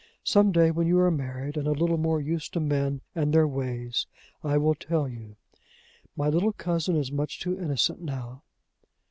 Some day, when you are married, and a little more used to men and their ways, I will tell you. My little cousin is much too innocent now."